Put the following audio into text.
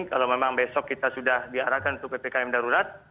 kalau memang besok kita sudah diarahkan untuk ppkm darurat